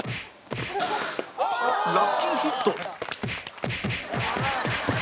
ラッキーヒット